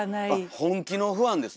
本気のファンです。